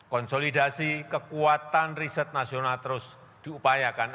konsolidasi kekuatan riset nasional terus diupayakan